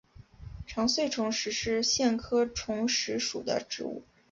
长穗虫实是苋科虫实属的植物。